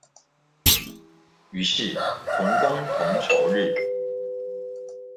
於是同工同酬日